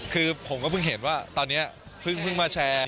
คือผมก็เพิ่งเห็นว่าตอนนี้เพิ่งมาแชร์